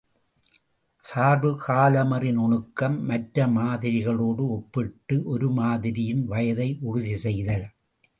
சார்புக் காலமறி நுணுக்கம் மற்ற மாதிரிகளோடு ஒப்பிட்டு ஒரு மாதிரியின் வயதை உறுதிசெய்தல்.